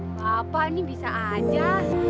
bapak ini bisa aja